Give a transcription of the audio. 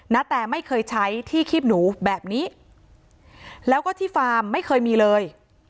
นาแตไม่เคยใช้ที่คีบหนูแบบนี้แล้วก็ที่ฟาร์มไม่เคยมีเลย